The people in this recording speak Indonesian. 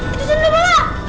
itu sundel bolong